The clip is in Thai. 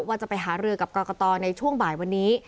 ว่าจะไปหารือกับกรกตในช่วงบ่ายวันนี้